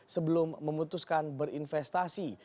sebelum memutuskan berinvestasi